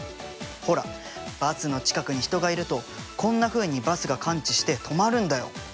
ほらバスの近くに人がいるとこんなふうにバスが感知して止まるんだよ。